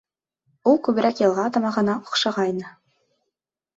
Ул күберәк йылға тамағына оҡшағайны.